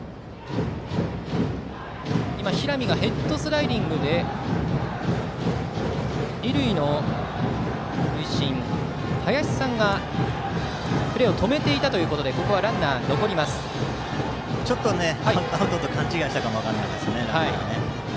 平見がヘッドスライディングで二塁の塁審林さんがプレーを止めていたということでちょっとアウトと勘違いしたかもしれないですね。